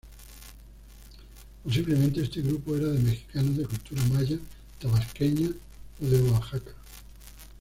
Posiblemente este grupo era de mexicanos de cultura Maya Tabasqueña o de Oaxaca.